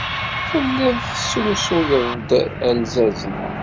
Telliḍ tesrusuyeḍ-d alzazen.